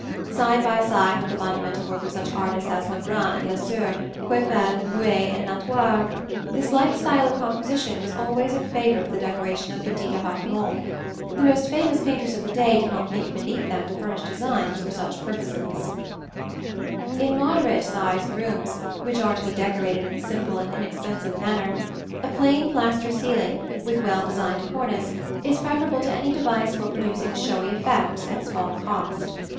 Side by side with the monumental work of such artists as Lebrun and Lesueur, Coypel, Vouet and Natoire, this light style of composition was always in favor for the decoration of petits appartements: the most famous painters of the day did not think it beneath them to furnish designs for such purposes (see Plate XXVII). In moderate sized rooms which are to be decorated in a simple and inexpensive manner, a plain plaster ceiling with well designed cornice is preferable to any device for producing showy effects at small cost.